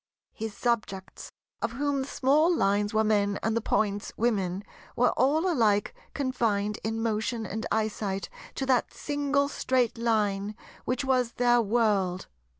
His subjects—of whom the small Lines were men and the Points Women—were all alike confined in motion and eyesight to that single Straight Line, which was their World.